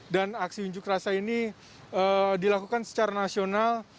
dan aksi unjuk rasa ini dilakukan secara nasional